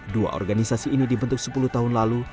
dua organisasi ini dibentuk sepuluh tahun lalu